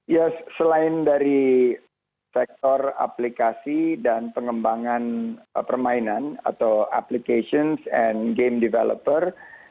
ya selain dari sektor aplikasi dan pengembangan permainan atau applications and game developer